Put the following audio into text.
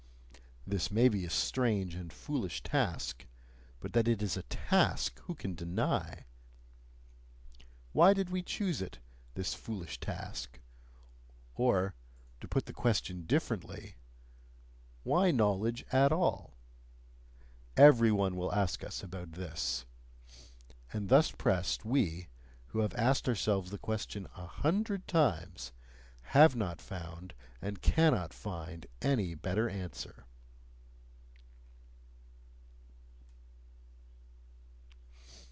this may be a strange and foolish task, but that it is a TASK, who can deny! Why did we choose it, this foolish task? Or, to put the question differently: "Why knowledge at all?" Every one will ask us about this. And thus pressed, we, who have asked ourselves the question a hundred times, have not found and cannot find any better answer....